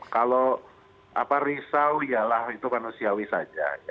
kalau risau ya lah itu manusiawi saja